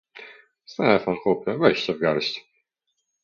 Stefan, chłopie, weź się w garść.